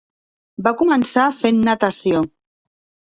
Va començar fent natació.